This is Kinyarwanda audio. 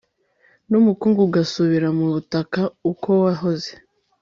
n'umukungugu ugasubira mu butaka uko wahoze